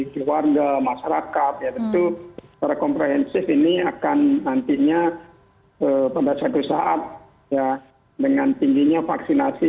keluarga masyarakat ya tentu secara komprehensif ini akan nantinya pada suatu saat dengan tingginya vaksinasi